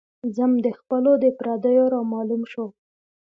ذم د خپلو د پرديو را معلوم شو